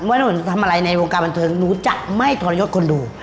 ว่าถ้าหนูทำอะไรในวงการบันเทิงหนูจะไม่ทรยศคนดู